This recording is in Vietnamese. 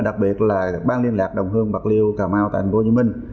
đặc biệt là bán liên lạc đồng hương bạc liêu cà mau tp hcm